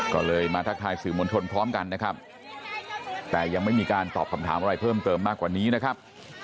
ก็เลยมาทักทายสื่อมวลชนพร้อมกันนะครับแต่ยังไม่มีการตอบคำถามอะไรเพิ่มเติมมากกว่านี้นะครับ